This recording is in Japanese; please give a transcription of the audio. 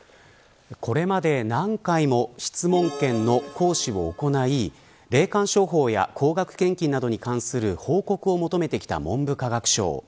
これまで何回も質問権の行使を行い霊感商法や高額献金などに関する報告を求めてきた文部科学省。